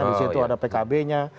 disitu ada pkb nya